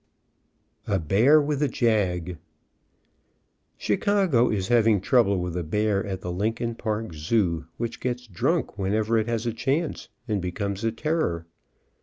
206 A BEAR WITH A JAG A BEAR WITH A JAG. Chicago is having trouble with a bear at the Lin coln Park zoOj which gets drunk whenever it has a chance, and becomes a terror.